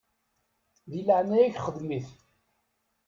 Di leɛnaya-k xdem-it.